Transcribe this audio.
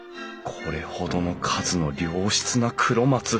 これほどの数の良質な黒松